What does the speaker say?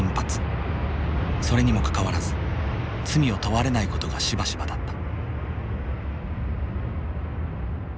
それにもかかわらず罪を問われないことがしばしばだった。